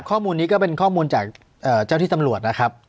ข้อมูลนี้ก็เป็นข้อมูลจากเจ้าที่ตำรวจนะครับ